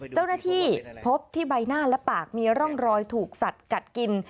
เจ้าหน้าที่พบที่ใบหน้าและปากมีร่องรอยถูกสัดกัดกิน